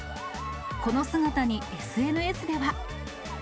この姿にＳＮＳでは。